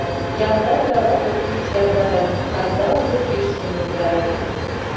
Яндар кават ок чуч яндарын, Кандалге тӱсшым йомдара.